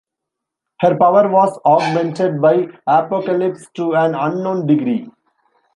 Her power was augmented by Apocalypse to an unknown degree.